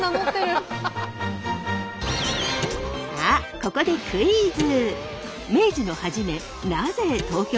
さあここでクイズ！